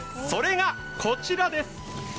それがこちらなんです。